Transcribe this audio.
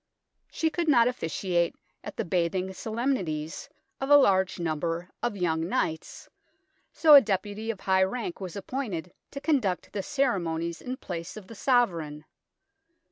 She could not officiate at the bathing solem nities of a large number of young knights, so a deputy of high rank was appointed to con duct the ceremonies in place of the Sovereign.